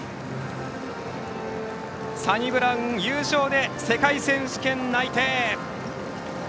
サニブラウン優勝で世界選手権内定。